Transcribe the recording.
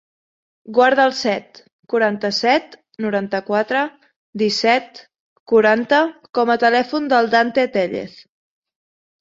Guarda el set, quaranta-set, noranta-quatre, disset, quaranta com a telèfon del Dante Tellez.